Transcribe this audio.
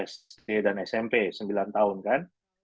sd dan smp sembilan tahun kan